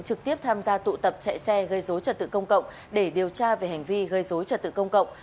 trực tiếp tham gia tụ tập chạy xe gây dối trật tự công cộng để điều tra về hành vi gây dối trật tự công cộng